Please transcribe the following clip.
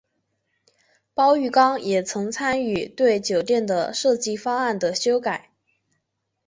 包玉刚也曾参与对酒店的设计方案的修改。